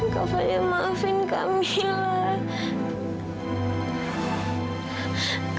kamu sudah maafkan kamila kak